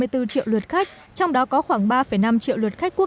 ba triệu đồng bằng sông kiểu long